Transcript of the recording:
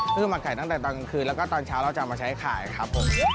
ก็คือมาขายตั้งแต่ตอนกลางคืนแล้วก็ตอนเช้าเราจะเอามาใช้ขายครับผม